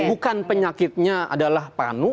bukan penyakitnya adalah panu